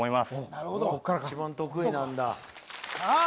なるほどこっからか一番得意なんださあ